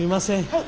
はい。